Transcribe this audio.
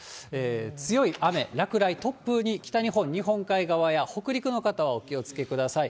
強い雨、落雷、突風に北日本、日本海側や北陸の方はお気をつけください。